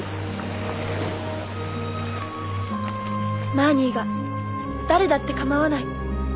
マーニーが誰だって構わない